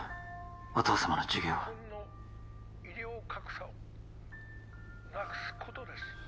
お父さまの授業は日本の医療格差をなくすことです